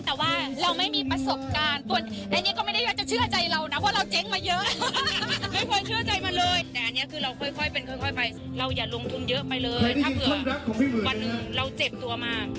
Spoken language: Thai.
ถ้าเผื่อวันหนึ่งเราเจ็บตัวมาก